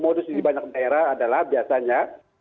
modus di banyak daerah adalah biasanya